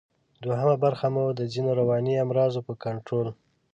دوهمه برخه مو د ځینو رواني امراضو په کنټرول